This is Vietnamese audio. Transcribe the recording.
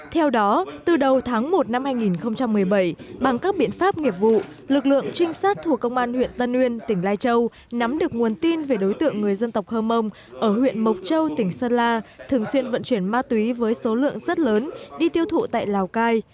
theo đó từ đầu tháng một năm hai nghìn một mươi bảy bằng các biện pháp nghiệp vụ lực lượng trinh sát thuộc công an huyện tân nguyên tỉnh lai châu nắm được nguồn tin về đối tượng người dân tộc hơ mông ở huyện mộc châu tỉnh sơn la thường xuyên vận chuyển ma túy với số lượng rất lớn đi tiêu thụ tại lào cai